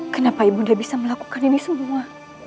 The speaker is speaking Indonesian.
kenapa ibunda bisa melakukan ini semua